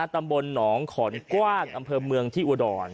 ตำบลหนองขอนกว้างอำเภอเมืองที่อุดร